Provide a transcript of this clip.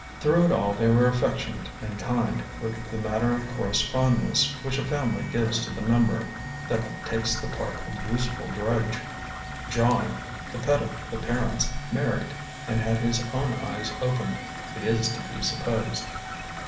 Through it all they were affectionate and kind, with the matter of course fondness which a family gives to the member that takes the part of useful drudge. John, the pet of the parents, married, and had his own eyes opened, it is to be supposed.